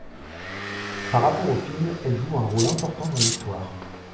Par rapport au film, elle joue un rôle important dans l'histoire.